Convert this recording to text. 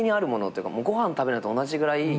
ご飯食べるのと同じぐらい。